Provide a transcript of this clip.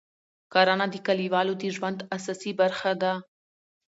کرنه د کلیوالو د ژوند اساسي برخه ده